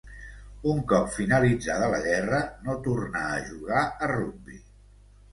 Un cop finalitzada la guerra no tornà a jugar a rugbi.